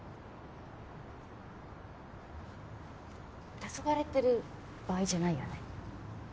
たそがれてる場合じゃないよね。